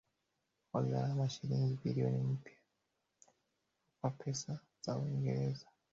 Wa gharama shilingi bilioni mpja kwa pesa za Uiongereza